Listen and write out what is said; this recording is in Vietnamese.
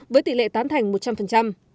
với tỷ lệ tán thành một trăm linh